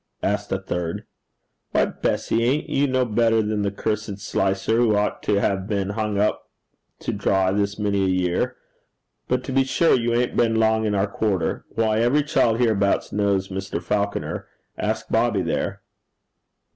asked a third. 'Why, Bessy, ain't you no better than that damned Slicer, who ought to ha' been hung up to dry this many a year? But to be sure you 'ain't been long in our quarter. Why, every child hereabouts knows Mr. Falconer. Ask Bobby there.'